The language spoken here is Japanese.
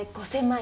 ５０００万！？